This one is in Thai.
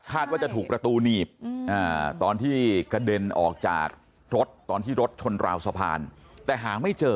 ว่าจะถูกประตูหนีบตอนที่กระเด็นออกจากรถตอนที่รถชนราวสะพานแต่หาไม่เจอ